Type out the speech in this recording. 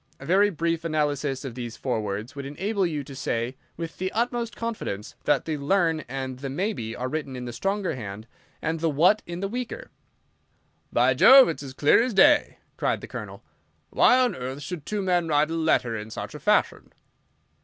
A very brief analysis of these four words would enable you to say with the utmost confidence that the 'learn' and the 'maybe' are written in the stronger hand, and the 'what' in the weaker." "By Jove, it's as clear as day!" cried the Colonel. "Why on earth should two men write a letter in such a fashion?"